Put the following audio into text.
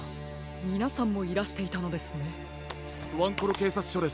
ワンコロけいさつしょです。